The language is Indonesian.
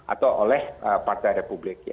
atau oleh partai republik